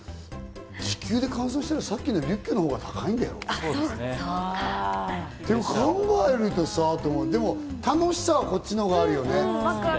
時給で換算したら、さっきのリュックのほうが高いんだよ。と考えるとさ、でも楽しさはこっちのほうがあるよね。